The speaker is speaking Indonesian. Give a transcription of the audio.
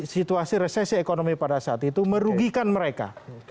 situasi resesi ekonomi pada saat itu merugikan mereka